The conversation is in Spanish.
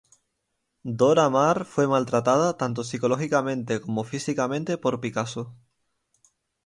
Dora Maar fue maltratada, tanto psicológicamente como físicamente, por Picasso.